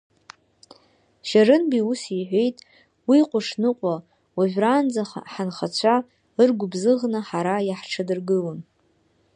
Шьырынбеи ус иеиҳәеит уи Ҟәышныҟәа, уажәраанӡа ҳанхацәа ыргәыбзыӷны ҳара иаҳҿадыргылон…